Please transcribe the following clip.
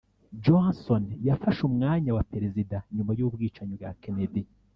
johnson yafashe umwanya wa perezida nyuma y'ubwicanyi bwa kennedy